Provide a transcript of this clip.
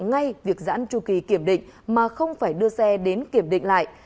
ngay việc giãn tru kỳ kiểm định mà không phải đưa xe đến kiểm định lại